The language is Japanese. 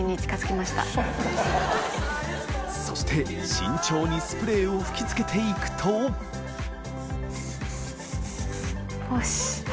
慎重にスプレーを吹き付けていくと森川）